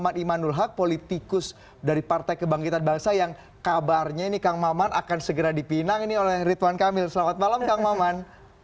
sebagai seorang yang berhak politikus dari partai kebangkitan bangsa yang kabarnya ini kang mamat akan segera dipinang ini oleh ridwan kamil selamat malam kang mamat